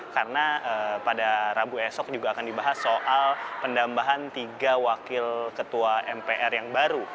karena pada rabu esok juga akan dibahas soal pendambahan tiga wakil ketua mpr yang baru